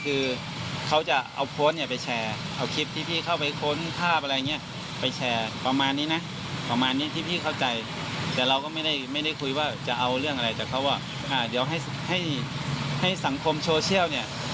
เอาเรื่องอะไรจากเขาว่าเดี๋ยวให้สังคมโชเชียลเนี่ย